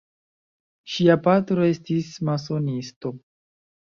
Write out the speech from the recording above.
Ŝia patro estis masonisto.